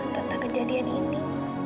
tentang kejadian ini